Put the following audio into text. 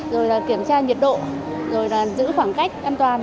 rồi là kiểm tra nhiệt độ rồi là giữ khoảng cách an toàn